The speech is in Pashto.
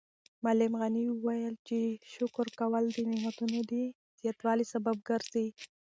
معلم غني وویل چې شکر کول د نعمتونو د زیاتوالي سبب ګرځي.